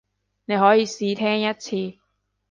你可以試聽一次